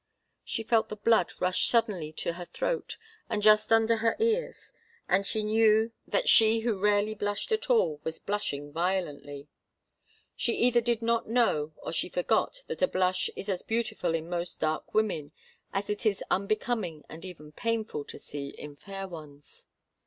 She felt the blood rush suddenly to her throat and just under her ears, and she knew that she who rarely blushed at all was blushing violently. She either did not know or she forgot that a blush is as beautiful in most dark women as it is unbecoming and even painful to see in fair ones.